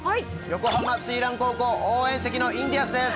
横浜翠嵐高校応援席のインディアンスです。